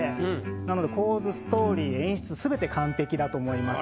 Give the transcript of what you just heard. なので構図ストーリー演出全て完璧だと思います。